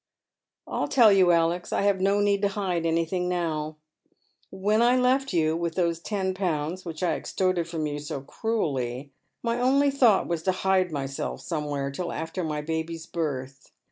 " I'll tell you, Alex. I have no need to hide anything now. When I left you, with those ten pounds which I extorted from you so cruelly, my only thought was to hide myself somewhere till after my baby's birth.